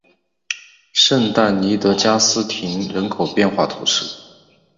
圣但尼德加斯廷人口变化图示